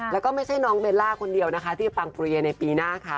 แล้วก็ไม่ใช่น้องเบลล่าคนเดียวนะคะที่จะปังเปรียในปีหน้าค่ะ